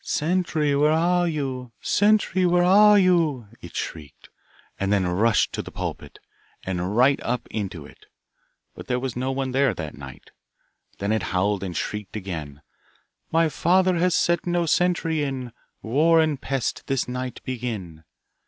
'Sentry, where are you? Sentry, where are you?' it shrieked, and then rushed to the pulpit, and right up into it. But there was no one there that night. Then it howled and shrieked again, My father has set no sentry in, War and Pest this night begin.